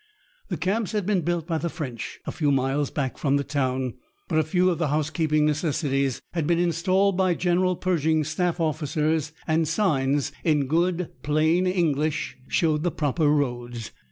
The camps had been built by the French, a few miles back from the town, but a few of the housekeeping necessities had been installed by General Pershing's staff officers, and signs in good, plain English showed the proper roads.